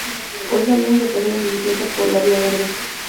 Hoy salimos a pasear en bicicleta por la vía verde